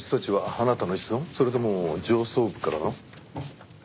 それとも上層部からの？